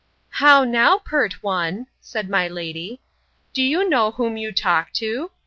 How now, pert one, said my lady, do you know whom you talk to?